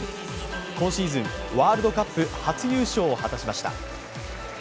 今シーズン、ワールドカップ初優勝を果たしました。